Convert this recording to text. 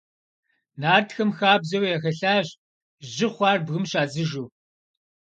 Нартхэм хабзэу яхэлъащ жьы хъуар бгым щадзыжу.